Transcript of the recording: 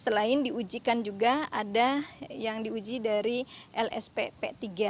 selain diujikan juga ada yang diuji dari lsp p tiga